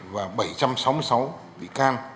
và bảy trăm sáu mươi sáu bị can